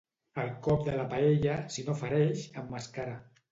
El cop de la paella, si no fereix, emmascara.